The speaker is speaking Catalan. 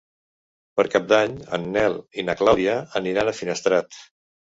Per Cap d'Any en Nel i na Clàudia aniran a Finestrat.